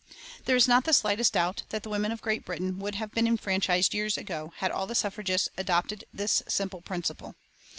There is not the slightest doubt that the women of Great Britain would have been enfranchised years ago had all the suffragists adopted this simple principle.